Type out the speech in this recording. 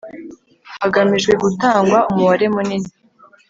hagamijwe gutangwa umubare munini